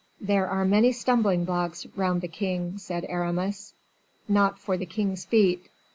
"There are many stumbling blocks round the king," said Aramis. "Not for the king's feet."